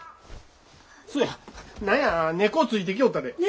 そうや何や猫ついてきよったで。